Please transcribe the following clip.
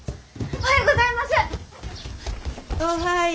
おはよう。